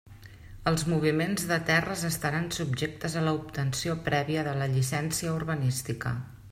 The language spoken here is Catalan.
Els moviments de terres estaran subjectes a l'obtenció prèvia de la llicència urbanística.